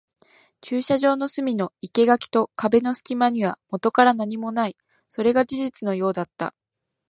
駐車場の隅の生垣と壁の隙間にはもとから何もない。それが事実のようだった。